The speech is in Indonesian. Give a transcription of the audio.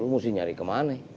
lu mesti nyari kemana